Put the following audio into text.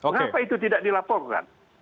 kenapa itu tidak dilaporkan